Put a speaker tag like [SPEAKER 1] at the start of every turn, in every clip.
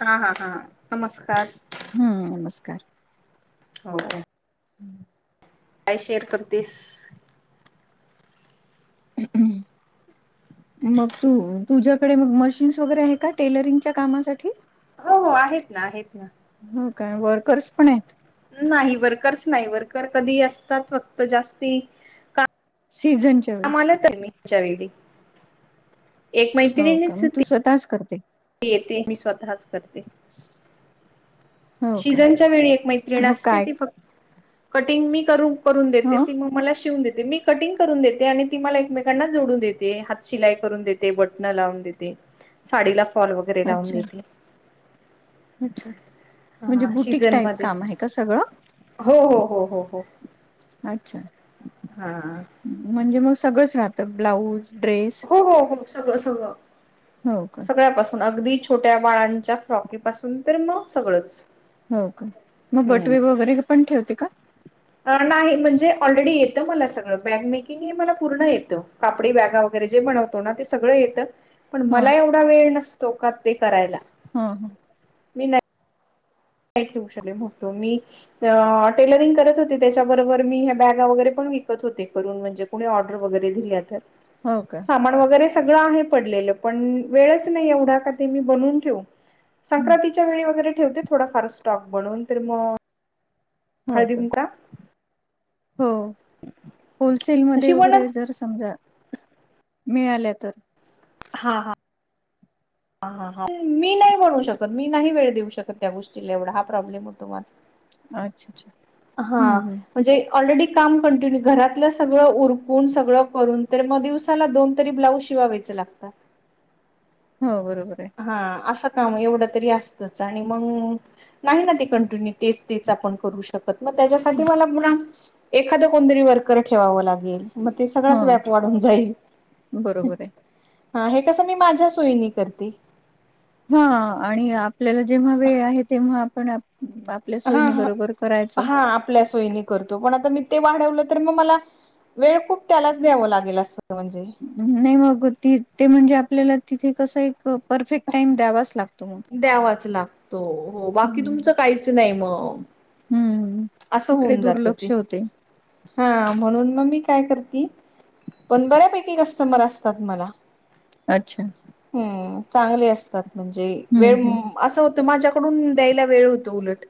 [SPEAKER 1] हा हा हा नमस्कार
[SPEAKER 2] हम्म नमस्कार
[SPEAKER 1] हो का [unintelligible] [unintelligible]
[SPEAKER 2] हम्म [unintelligible]
[SPEAKER 1] काय शेअर करतेस [unintelligible]
[SPEAKER 2] हम्म [unintelligible] मग तू तुझ्याकडे मशीन्स वगैरे आहे का टेलरिंगच्या कामासाठी [unintelligible]
[SPEAKER 1] हो हो आहेत ना आहेत ना
[SPEAKER 2] हो काय वर्कर्स पण आहेत [inaudible]
[SPEAKER 1] नाही वर्करच नाही वर्कर कधी अवतात फक्त जास्ती
[SPEAKER 2] सीजन [unintelligible]
[SPEAKER 1] आमला तच्या वळी एक
[SPEAKER 2] हो का मग तू
[SPEAKER 1] मैत्रिचती
[SPEAKER 2] स्वतःच करते [unintelligible]
[SPEAKER 1] ते येते मी स्वतःच करते
[SPEAKER 2] हो का
[SPEAKER 1] शिजनच्या वेळी एक मैत्रिण
[SPEAKER 2] मग
[SPEAKER 1] असते
[SPEAKER 2] काय
[SPEAKER 1] ती फक्त कटिंग मी करू करून देते
[SPEAKER 2] ह
[SPEAKER 1] ती मग मला शिवून देते मी [inaudible] कटिंग करून देते आणि ती मला एकमेकांना जोडून देते हात शिलाई करून देते बटणं लावून देते साडीला फॉल वगैरे लावून
[SPEAKER 2] अच्छा
[SPEAKER 1] देते
[SPEAKER 2] अच्छा म्हणजे
[SPEAKER 1] हा
[SPEAKER 2] बुटक
[SPEAKER 1] सीझन
[SPEAKER 2] टाईप
[SPEAKER 1] मध्ये
[SPEAKER 2] काम आहे का सगळं
[SPEAKER 1] हो हो हो हो हो
[SPEAKER 2] अच्छा
[SPEAKER 1] हा [unintelligible]
[SPEAKER 2] म्हणजे मग सगळंच राहतं ब्लाऊज ड्रेस
[SPEAKER 1] हो हो हो सगळं सगळ
[SPEAKER 2] हो का
[SPEAKER 1] सगळ्यापासून अगदी छोट्या बाळांच्या फ्रॉकी पासून तर मग सगळंच
[SPEAKER 2] हो का मग
[SPEAKER 1] हम्म
[SPEAKER 2] बटवे वगैरे पण ठेवते का [inaudible]
[SPEAKER 1] नाही म्हणजे ऑलरेडी येत मला सगळं बॅकमेकिंग हे मला पूर्ण येतं कापडी बॅगा वगैरे जे बनवतो ना ते सगळं येतं पण
[SPEAKER 2] ह
[SPEAKER 1] मला एवढा वेळ नसो तोकात ते करायला [unintelligible]
[SPEAKER 2] हा हबल्ब
[SPEAKER 1] का ठेवऊ शकले मग तो मी टेलरिंग करत होते त्याच्याबरोबर मी ह्या बॅग वगैरे पण विकत होते करून म्हणजे
[SPEAKER 2] हो का
[SPEAKER 1] वर वगरे सगळ आहे पडले पण वेळच नाही एवढा का ते मी बनून ठेव
[SPEAKER 2] हं,
[SPEAKER 1] संक्रांतीच्या वेळी वगैरे ठेवते थोडाफार स्टॉक बनून तर मग
[SPEAKER 2] हो
[SPEAKER 1] हळदी
[SPEAKER 2] का
[SPEAKER 1] कुंकू
[SPEAKER 2] हो होलसेलमध्येध्ये वगैरे
[SPEAKER 1] शिवणच
[SPEAKER 2] जर समजा मिळाल्या तर
[SPEAKER 1] हा हा ह ह ह मी नाही बनू शकत मी नाही वेळ देऊ शकत त्या गोष्टीला एवढा हा प्रॉब्लेम होतो माझा
[SPEAKER 2] अच्छा अच्छा
[SPEAKER 1] हा
[SPEAKER 2] हम्म हम्म
[SPEAKER 1] म्हणजे ऑलरेडी काम कंटिन्यू घरातलं सगळं उरकून सगळं करून तर मग दिवसाला दोन तरी ब्लाउ शिवावायच लागत
[SPEAKER 2] हो बरोबर आहे
[SPEAKER 1] हा असं काम एवढं तरी असतच आणि मग नाही ना ते कंटिन्यू तेच तेच आपण करू शकतो मग त्याच्यासाठी मला पु एखादं कोणतरी वर्कर ठेवावं लागेल मग ते सगळाच व्याप
[SPEAKER 2] हो
[SPEAKER 1] वाढून जाईल
[SPEAKER 2] बरोबर आहे.
[SPEAKER 1] हा हे कसं मी माझ्या सोयीनी करते
[SPEAKER 2] हा आणि आपल्याला जेव्हा वेळ आहे तेव्हा आपण आपल्या
[SPEAKER 1] हा
[SPEAKER 2] सोयनी
[SPEAKER 1] ह
[SPEAKER 2] बरोबर करायचं.
[SPEAKER 1] हा आपल्या सोयनी करतो पण आता मी ते वाढवलं तर मग मला वेळ खूप त्यालाच द्यावं लागेल असं म्हणजे
[SPEAKER 2] नाही मग त ते म्हणजे आपल्याला तिथे कस एक परफेक्ट टाइम द्यावाच लागतो मग
[SPEAKER 1] द्यावाच लागतो हो बाकी तुमचं काहीच नाही मग
[SPEAKER 2] हम्म
[SPEAKER 1] असं
[SPEAKER 2] इकडे
[SPEAKER 1] होऊन जातं ते
[SPEAKER 2] दुर्लक्ष होते
[SPEAKER 1] हा म्हणून मग मी काय करते पण बऱ्यापैकी कस्टमर असतात मला
[SPEAKER 2] अच्छा
[SPEAKER 1] हम्म चांगली असतात म्हणजे
[SPEAKER 2] हम्म
[SPEAKER 1] वेळ
[SPEAKER 2] हम्म
[SPEAKER 1] असं त माझ्याकडून द्यायला वेळ होतो उलट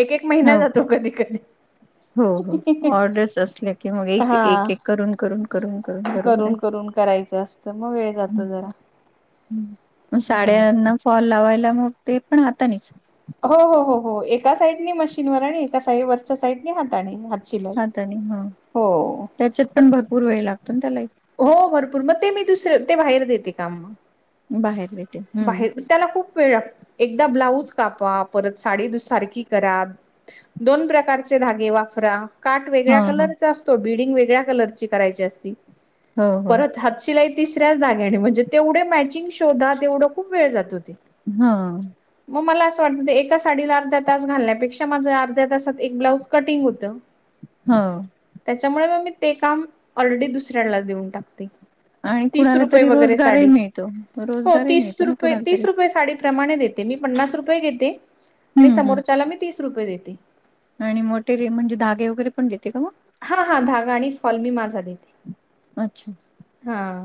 [SPEAKER 1] एक एक महिना
[SPEAKER 2] हो का
[SPEAKER 1] जातो कधी कधी
[SPEAKER 2] हो हो ऑर्डर असल्या की मग एक
[SPEAKER 1] हा
[SPEAKER 2] एक करून करून करून बरोबर आहे.
[SPEAKER 1] करून करून करायचं असतं मग वेळ जातो जरा
[SPEAKER 2] ग
[SPEAKER 1] हम्म
[SPEAKER 2] साड्यांना फॉल लावायला मग ते पण आातानीच
[SPEAKER 1] हो हो हो हो एका साईडनी मशीनवर आणि एका साईड वरच्या साईडने हाता आणिात
[SPEAKER 2] हाात आणि हा त्याच्यात पण
[SPEAKER 1] मग-
[SPEAKER 2] भरपूर वेळ लागतो ना त्याला एक
[SPEAKER 1] हो भरपूर मग ते मी दुसरे ते बाहेर देते काम मग
[SPEAKER 2] बाहेर येत
[SPEAKER 1] बाहेर त्याला खूप वेळ एकदा ब्लाऊज कापा परत साडी सारखी करा दोन प्रकारचे धागे वाफरा काट
[SPEAKER 2] ह
[SPEAKER 1] वेगळ्या
[SPEAKER 2] ह
[SPEAKER 1] कलरचा असतो बीडिंग वेगळ्या कलरची करायची असती
[SPEAKER 2] हो हो
[SPEAKER 1] परत हात शिलाई तिसऱ्याच ग्याने म्हणजे तेवढे मॅचिंग शोधा तेवढ खूप वेळ जात होती
[SPEAKER 2] ह
[SPEAKER 1] मग मला असं वाटतं ते एका साडीला अर्ध्या तास घालण्यापेक्षा माझं अर्ध्या तासात एक ब्लाउऊज कटिंग होतं
[SPEAKER 2] हा
[SPEAKER 1] त्याच्यामुळे मग मी ते काम ऑलरेडी दुसऱ्यांला देऊन टाकते तीस रुपये वगैरे साडी
[SPEAKER 2] तो रोज
[SPEAKER 1] हो तीस रुपये तीस रुपये साडी माणे देते मी पन्नास रुपये देते आणि
[SPEAKER 2] हम्म हम्म
[SPEAKER 1] समोरच्याला मी तीस रुपये देते
[SPEAKER 2] आणि मोठे रे म्हणजे धगे वगैरे पण देते का म
[SPEAKER 1] हा हा धागा आणि फॉल मी माझा देते
[SPEAKER 2] अच्छा
[SPEAKER 1] हा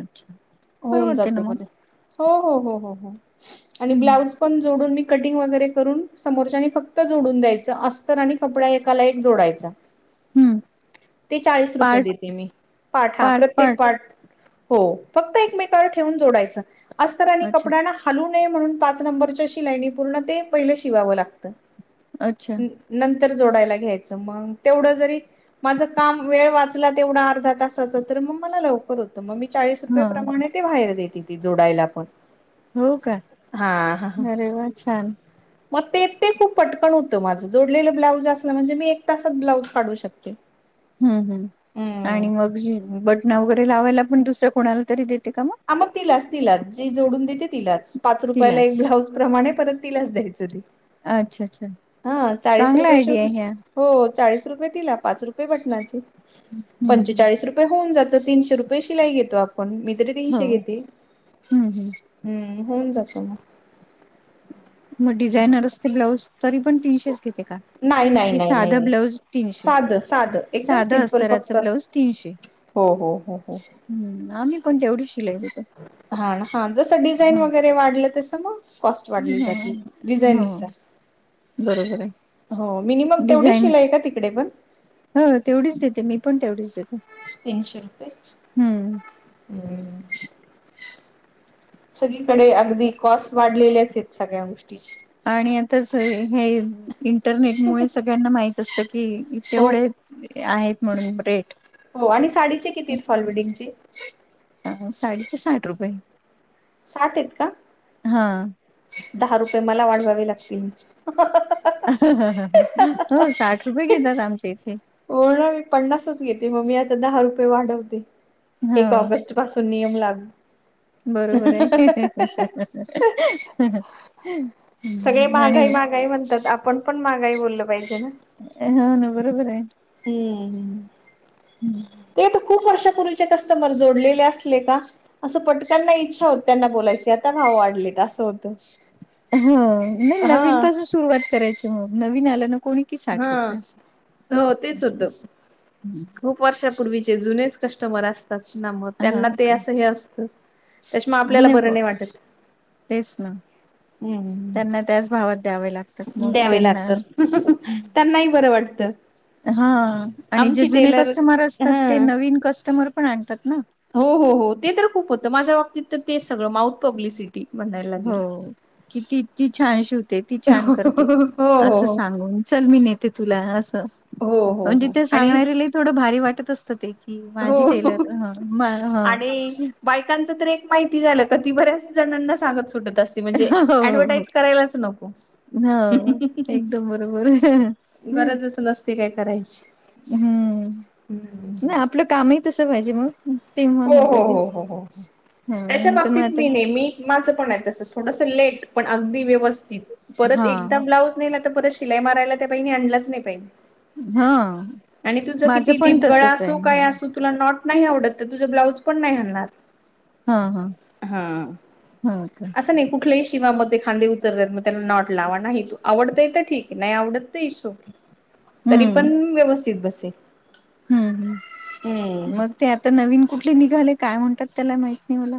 [SPEAKER 2] अच्छा
[SPEAKER 1] होऊन
[SPEAKER 2] परवडते ना
[SPEAKER 1] जाते
[SPEAKER 2] मग
[SPEAKER 1] मध्ये हो हो हो हो हो आणि
[SPEAKER 2] हम्म
[SPEAKER 1] ब्लाऊज पण जोडून मी कटिंग वगैरे करून समोरच्यानी फक्त जोडून द्यायचं असं स्तर आणि कपडा एकाला एक जोडायचा
[SPEAKER 2] हम्म
[SPEAKER 1] ते चाळीस रुपये
[SPEAKER 2] पार्ट
[SPEAKER 1] देते मी पाठ हा
[SPEAKER 2] पार्ट
[SPEAKER 1] प्रत्येक
[SPEAKER 2] पार्ट
[SPEAKER 1] पाठ हो फक्त एकमेकांवर ठेवून जोडायचं अस्त आणि
[SPEAKER 2] अच्छा
[SPEAKER 1] कपडा ना हालू नये म्हणून पाच नंबरच्या शिलाईनी पूर्ण ते पहिलं शिवावं लागत
[SPEAKER 2] अच्छा
[SPEAKER 1] नंतर जोडायला घ्यायचं मंग तेवढं जरी माझं काम वेळ वाचला तेवढा अर्धा तसाच तर मग मला लवकर होतं मग मी चाळीस रुपये
[SPEAKER 2] हा
[SPEAKER 1] प्रमाणे ते बाहेर देती ती जोडायला पण
[SPEAKER 2] हो का
[SPEAKER 1] हा
[SPEAKER 2] अरे वा छान
[SPEAKER 1] मग ते ते खूप पटकन होतं माझं जोडलेलं ब्लाउज असलं म्हणजे मी एक तासात ब्लाऊज काढू शकते
[SPEAKER 2] हम् हम् आणि
[SPEAKER 1] हा
[SPEAKER 2] मग बटनं वगैरे लावायला पण दुसऱ्या कोणाला तरी देते का म?
[SPEAKER 1] आ मग तिलाच तिलाच जी जोडून देते तिलाच पाच रुपयाला एक
[SPEAKER 2] तिलाच
[SPEAKER 1] ब्लाऊज प्रमाणे परत तिलाच द्यायचं ते
[SPEAKER 2] अच्छा! अच्छा
[SPEAKER 1] हा चाळीस
[SPEAKER 2] चांगला
[SPEAKER 1] रुपये
[SPEAKER 2] आयडिया
[SPEAKER 1] शीव
[SPEAKER 2] आहे ह्या
[SPEAKER 1] हो चाळीस रुपये दिला पाच रुपये बटनाचे
[SPEAKER 2] हम्म हम्म
[SPEAKER 1] पंचेचाळीस रुपये होऊन जातं तीनशे रुपये शिलाई घेतो आपण मी तरी तीनशे घेते
[SPEAKER 2] हम् हम्
[SPEAKER 1] हम्म, होऊन जातं मं
[SPEAKER 2] मग डिझायनर असते, ब्लाउज तरी पण तीनशेच घेते का?
[SPEAKER 1] नाही नाही
[SPEAKER 2] कि
[SPEAKER 1] नाही
[SPEAKER 2] साधं
[SPEAKER 1] नाही
[SPEAKER 2] ब्लाऊज तीनशे.
[SPEAKER 1] साधं साधं एकदम
[SPEAKER 2] साधं
[SPEAKER 1] सिम्पल फक्त
[SPEAKER 2] अस्तराचं ब्लाऊज
[SPEAKER 1] असतं हो हो हो हो
[SPEAKER 2] हम् आम्ही पण तेवढीच शिलाई घेतो.
[SPEAKER 1] हा न हा जसं डिझाईन वगैरे वाढलं तसं मग कॉस्ट वाढली जाते. डिझाईन नुसार
[SPEAKER 2] बरोबरय
[SPEAKER 1] हो मिनिमम तेवढींच शिलाई का तिकडे पण?
[SPEAKER 2] हो तेवढीच देते, मी पण तेवढीच देते
[SPEAKER 1] तीनशे रुपय
[SPEAKER 2] हम्म
[SPEAKER 1] हं सगळीकडे अगदी कॉस्ट वाढलेल्याचयत सगळ्या गोष्टीच्या
[SPEAKER 2] आणि आताच हे इंटरनेटमुळे सगळ्यांना माहित असतं कि
[SPEAKER 1] हो
[SPEAKER 2] तेवढे आहेत म्हणून रेट
[SPEAKER 1] हो आणि साडीचे किती आहेत फॉल बिल्डिंगचे
[SPEAKER 2] हं साडीचे साठ रुपय
[SPEAKER 1] साठयत का?
[SPEAKER 2] हा
[SPEAKER 1] दहा रुपये मला वाढवावे लागतील
[SPEAKER 2] हं हं हो साठ रुपये घेतात आमच्या इथे
[SPEAKER 1] ओवर ऑल मी पन्नासच घेते मग मी आता दहा रुपये वाढवते एक
[SPEAKER 2] हा
[SPEAKER 1] ऑगस्ट पासून नियम लागू
[SPEAKER 2] बरोबराय [inaudible] आणि मग
[SPEAKER 1] काही म्हणतात आपण पण महागाई बोललं पाहिजे ना?
[SPEAKER 2] हो ना बरोबराय
[SPEAKER 1] हम्मम
[SPEAKER 2] हम्म
[SPEAKER 1] ते तू खूप वर्षापूर्वीचे कस्टमर जोडलेले असले का असं पटकन नाही इच्छा होत त्यांना बोलायची आता भाव वाढलेत असं होतं.
[SPEAKER 2] हं नाही नवीन
[SPEAKER 1] हा
[SPEAKER 2] पासून सुरुवात करायची मग नवीन आलं ना कोणी की
[SPEAKER 1] हा
[SPEAKER 2] साठ रुपये असं
[SPEAKER 1] हो तेच
[SPEAKER 2] असं
[SPEAKER 1] होतं
[SPEAKER 2] असं
[SPEAKER 1] खूप वर्षापूर्वी चे जुनेच कस्टमर असतात ना, मग
[SPEAKER 2] हा
[SPEAKER 1] त्यांना ते
[SPEAKER 2] का
[SPEAKER 1] असं हे असं त्याच्यामुळं आपल्याला बरं नाही वाटत
[SPEAKER 2] तेच ना
[SPEAKER 1] हम्म
[SPEAKER 2] त्यांना त्याच भावात द्यावे लागतात मग
[SPEAKER 1] द्यावे
[SPEAKER 2] त्यांना
[SPEAKER 1] लागतात त्यांनाही बरं वाटतं
[SPEAKER 2] हा आणि जे
[SPEAKER 1] आमची
[SPEAKER 2] जुने
[SPEAKER 1] टेलर
[SPEAKER 2] कस्टमर असतात ते
[SPEAKER 1] हा
[SPEAKER 2] नवीन कस्टमर पण आणतात ना
[SPEAKER 1] हो हो हो ते तर खूप होतं माझ्या बाबतीत तर तेच सगळं माउथ पब्लिसिटी म्हणायला
[SPEAKER 2] हो
[SPEAKER 1] लागेल
[SPEAKER 2] कि इतकी ती छान शिवते ती छान
[SPEAKER 1] हो
[SPEAKER 2] करते असं
[SPEAKER 1] हो
[SPEAKER 2] सांगून चल मी निघते ते तुलाना अस
[SPEAKER 1] हो हो
[SPEAKER 2] म्हणजे
[SPEAKER 1] हो
[SPEAKER 2] ते
[SPEAKER 1] आणि
[SPEAKER 2] सांगणाऱ्यालाही थोडं भारी वाटत असतं ते की माझी
[SPEAKER 1] हो
[SPEAKER 2] टेलर ह म ह
[SPEAKER 1] आणि बायकांच तर एक माहिती झालं कधी बर्याच किती जणांना सांगत सुटत असते म्हणजे ऍडव्हटाईज करायलाच नको
[SPEAKER 2] ह एकदम बरोबर
[SPEAKER 1] ते हे करयची
[SPEAKER 2] हम्म नाही आपलं कामही तस पाहिजे मग तेव्हा
[SPEAKER 1] हो
[SPEAKER 2] होत
[SPEAKER 1] हो
[SPEAKER 2] ते
[SPEAKER 1] हो हो हो हो त्याच्या
[SPEAKER 2] ह तर मग
[SPEAKER 1] बाबतीत
[SPEAKER 2] आता
[SPEAKER 1] मी नेहमी माझ पण आहे तस थोडस लेट पण अगदी व्यवस्थित परत
[SPEAKER 2] हा
[SPEAKER 1] एकदा ब्लाउज नाही तर परत शिलाई माराला त्या बाईने आणलाच नाही पाहिजे
[SPEAKER 2] हा
[SPEAKER 1] आणि तुझ
[SPEAKER 2] माझं
[SPEAKER 1] किती
[SPEAKER 2] पण
[SPEAKER 1] डीपगळा
[SPEAKER 2] तसच
[SPEAKER 1] असू
[SPEAKER 2] आहे
[SPEAKER 1] काय अस तुला नॉट नाही आवडत तुझ ब्लाउज जरा पण नाही
[SPEAKER 2] हा हा
[SPEAKER 1] हलणार हा
[SPEAKER 2] हा का
[SPEAKER 1] अस नाही कुठलेही शिवा मग ते खांदे उतरतात मग त्याना नॉट लावा नाही तू आवडतय तर ठीक आहे नाही आवडत तर इट्स ओक तरी
[SPEAKER 2] हम्म
[SPEAKER 1] पण व्यवस्थित बसे
[SPEAKER 2] हम्म हम्म
[SPEAKER 1] हम्म
[SPEAKER 2] मग ते आता नवीन कुठले निघाले काय म्हणतात त्याला माहित नाही मला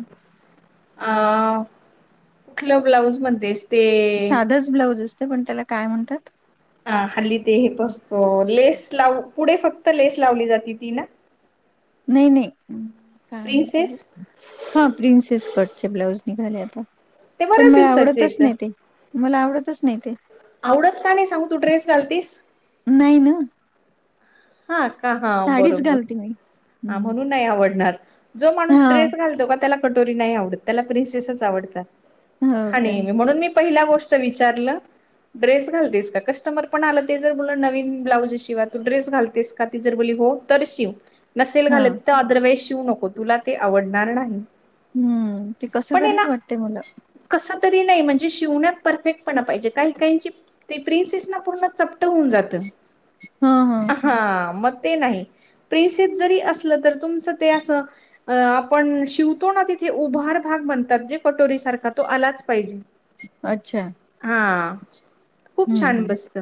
[SPEAKER 1] अ कुठल्या ब्लाऊज मध्ये
[SPEAKER 2] साधच ब्लाऊज असत पण त्याला काय म्हणतात
[SPEAKER 1] ह हल्ली ते हे पण लेस लाव पुढे फक्त लेस लावली जाते ती ना
[SPEAKER 2] नाही नाही काम तर
[SPEAKER 1] प्रिन्सेस
[SPEAKER 2] हा प्रिन्सेस कटचे ब्लाऊज निघाले आता
[SPEAKER 1] ते
[SPEAKER 2] पण
[SPEAKER 1] बऱ्याच
[SPEAKER 2] मला
[SPEAKER 1] दिवसाचे
[SPEAKER 2] आवडतच
[SPEAKER 1] येत
[SPEAKER 2] नाही ते मला आवडतच नाही ते
[SPEAKER 1] आवडत का नाही सांगू तू ड्रेस घालतीस
[SPEAKER 2] नाहीन
[SPEAKER 1] हा का हा
[SPEAKER 2] साडीच घालते मी
[SPEAKER 1] बरोबर
[SPEAKER 2] हम्म
[SPEAKER 1] म्हणून नाही आवडणार जो माणूस ड्रेस
[SPEAKER 2] हा
[SPEAKER 1] घालतो का त्याला कटोरी नाही आवडत त्याला प्रिनसेसच आवडत
[SPEAKER 2] हो काय
[SPEAKER 1] आणि म्हणून मी पहिला गोष्ट विचारलं ड्रेस घालतेस का कस्टमर पण आला ते जर ब नवीन ब्लाउजिवा तू ड्रेस घाल कस्टमर जर बोल्ली हो तर शिव नसेल
[SPEAKER 2] हा
[SPEAKER 1] घालत ऑदर वाइझ नको तुला ते आवडणार नाही
[SPEAKER 2] हम्म ते कस तरीच वाटते मला
[SPEAKER 1] कस तरी नाही म्हणजे शिवण्यात परफेक्ट पणा पाहिजे काही काहीची ते प्रिन्सेस ना पूर्ण चपट होऊन जातं
[SPEAKER 2] हा हा
[SPEAKER 1] हा मग ते नाही प्रिनसेस जरी असलं तर तुमचं ते अस अ आपण शिवतो ना तिथे उभार भाग म्हनतात जे कटोरी सारखा तो आलाच पाहिजे
[SPEAKER 2] अच्छा
[SPEAKER 1] हा खूप छान
[SPEAKER 2] हम्म
[SPEAKER 1] बसत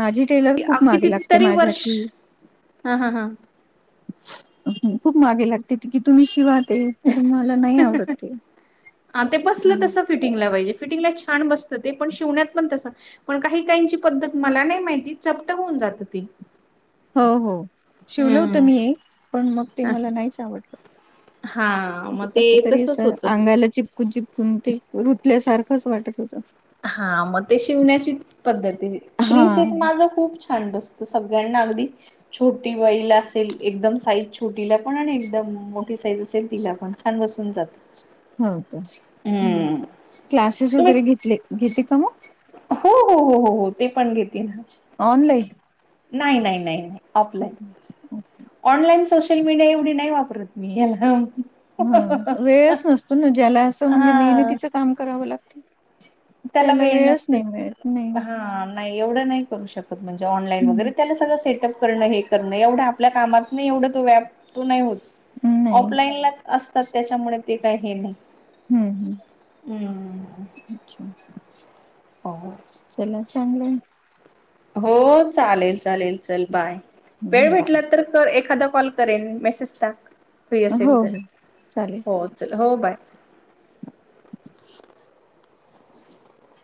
[SPEAKER 2] माझी टेलर खूप मागे लागते
[SPEAKER 1] कितीतरी
[SPEAKER 2] माझ्या
[SPEAKER 1] वर्ष
[SPEAKER 2] कि
[SPEAKER 1] हा हा हा
[SPEAKER 2] खूप मागे लागते की तुम्ही शिवाय ते तर मला नाही आवडत
[SPEAKER 1] हा
[SPEAKER 2] तो
[SPEAKER 1] ते बसलं तसं फिटिंगला पाहिजे फिटिंगला छान बत ते पण शिवण्यात पण तस पण काही काहीची पद्धत मला नाही माहिती चपटक होऊन जात ते
[SPEAKER 2] हो हो शिवल होतं
[SPEAKER 1] हम्म.
[SPEAKER 2] मी एक पण मग ते मला नाहीच
[SPEAKER 1] हा
[SPEAKER 2] आवडलं ते
[SPEAKER 1] मग
[SPEAKER 2] कस तरी अस
[SPEAKER 1] तसच होतं.
[SPEAKER 2] अंगायला चिपकू चिप कुन ते रुतल्यासारखंच वाटत होतं
[SPEAKER 1] हा मग ते शिवण्याची पद्धत आहे.
[SPEAKER 2] हा
[SPEAKER 1] प्रिन्सेस माझ खूप छ छान बसत सगळ्यांना अगदी छोटी वईला असेल एकदम साईज छोटीला पण आणि एकदम मोठी साईज असेल तिला पण छान बसून जात.
[SPEAKER 2] हो का. हम्म क्लासेस
[SPEAKER 1] तुम्ही
[SPEAKER 2] वगैरे घेतले घेते का मग?
[SPEAKER 1] हो हो हो हो ते पण घेेते
[SPEAKER 2] ऑनलाईन?
[SPEAKER 1] नाही नाही नाही ऑफलाईन. ऑनलाईन सोशल मीडिया एवढी नाही वापरत मी हा.
[SPEAKER 2] हम्म वेळच नसतो ना ज्याला असं म्हणजे
[SPEAKER 1] हा
[SPEAKER 2] मेहनतीचं काम करावं लागत त्याला
[SPEAKER 1] वेळ
[SPEAKER 2] वेळच
[SPEAKER 1] नसतोय.
[SPEAKER 2] नाही मिळत नाही.
[SPEAKER 1] हा नाही, एवढ नाही करू शकत म्हणजे ऑनलाईन
[SPEAKER 2] हम्म.
[SPEAKER 1] वगैरे त्या सगळं सेटअप करण हे करण एवढ आप पल्या कामात नाही एवढं तो व्याप तो नाही होत.
[SPEAKER 2] नाही
[SPEAKER 1] ऑफलाईनलाच असतात त्याच्यामुळे ते काही हे नाही.
[SPEAKER 2] हम्म हम्म
[SPEAKER 1] हम्म.
[SPEAKER 2] अच्छा.
[SPEAKER 1] हो.
[SPEAKER 2] चला चांगलय.
[SPEAKER 1] हो, चालेल चालेल, चल बाय. वेळ
[SPEAKER 2] हम्म
[SPEAKER 1] भेटला
[SPEAKER 2] बाय.
[SPEAKER 1] तर तर एखादा कॉल करेन, मेसेज टाक, फ्री असेल
[SPEAKER 2] हो
[SPEAKER 1] तर,
[SPEAKER 2] हो चालेल.
[SPEAKER 1] हो चल हो बाय.
[SPEAKER 2] [inaudible]